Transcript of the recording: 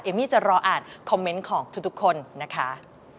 มี่จะรออ่านคอมเมนต์ของทุกคนนะคะ